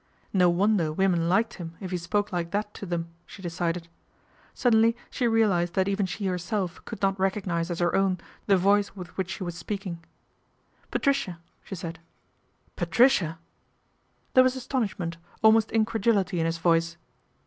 No wonder woman liked him if he spoke like that to them, she decided. Suddenly she realised that even she herself could not recognise as her own the voice with which she was speaking. " Patricia," she said. " Patricia !" There was astonishment, almost incredulity in his voice.